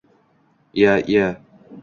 — Iya-iya!